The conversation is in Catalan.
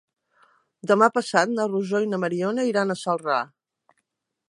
Demà passat na Rosó i na Mariona iran a Celrà.